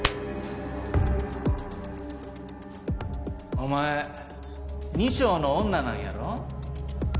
お前二丁の女なんやろ？